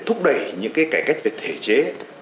thúc đẩy những cái cải cách về thể chế